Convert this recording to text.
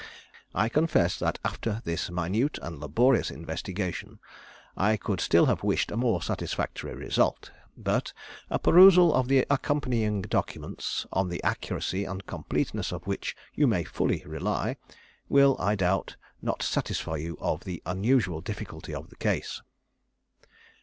I confess that after this minute and laborious investigation I could still have wished a more satisfactory result, but a perusal of the accompanying documents, on the accuracy and completeness of which you may fully rely, will I doubt not satisfy you of the unusual difficulty of the case.